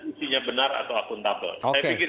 isinya benar atau akuntabel saya pikir